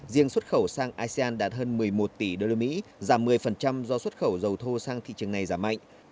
riêng xuất khẩu sang asean đạt hơn một mươi một tỷ usd giảm một mươi do xuất khẩu dầu thô sang thị trường này giảm mạnh